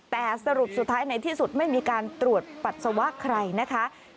แต่สรุปสุดท้ายในที่สุดไม่มีการตรวจปัสสาวะใครนะคะ